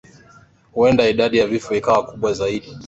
huenda idadi ya vifo ikawa kubwa zaidi